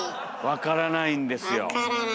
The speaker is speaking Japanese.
わからないんです。